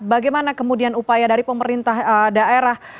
bagaimana kemudian upaya dari pemerintah daerah